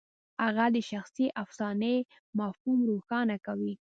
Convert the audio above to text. هغه د شخصي افسانې مفهوم روښانه کوي.